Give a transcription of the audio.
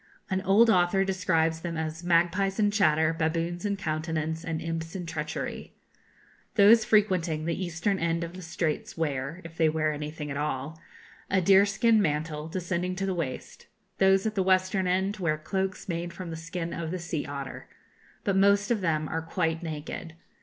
An old author describes them as 'magpies in chatter, baboons in countenance, and imps in treachery.' Those frequenting the eastern end of the Straits wear if they wear anything at all a deerskin mantle, descending to the waist: those at the western end wear cloaks made from the skin of the sea otter. But most of them are quite naked.